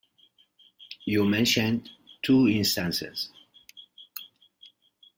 You mentioned two instances.